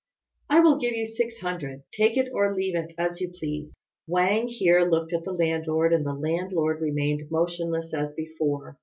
I will give you six hundred. Take it or leave it as you please." Wang here looked at the landlord, and the landlord remained motionless as before.